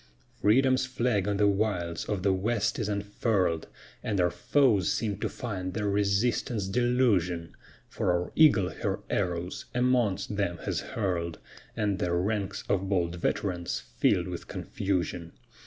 Freedom's flag on the wilds of the west is unfurl'd, And our foes seem to find their resistance delusion; For our eagle her arrows amongst them has hurl'd And their ranks of bold veterans fill'd with confusion.